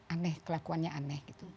aneh kelakuannya aneh gitu